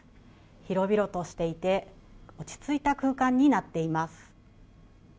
広々としていて落ち着いた空間になっています。